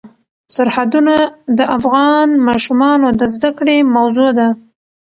سرحدونه د افغان ماشومانو د زده کړې موضوع ده.